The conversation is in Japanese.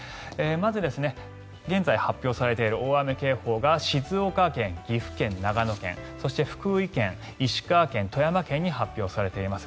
まず、現在発表されている大雨警報が静岡県、岐阜県、長野県そして福井県、石川県、富山県に発表されています。